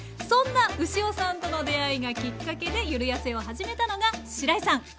そんな牛尾さんとの出会いがきっかけでゆるやせを始めたのがしらいさん。